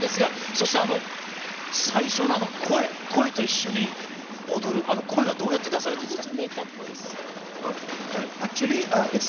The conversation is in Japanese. そして、最初のあの声、声と一緒に踊る、あの声はどうやって出されているんですか。